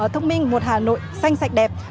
thông minh một hà nội xanh sạch đẹp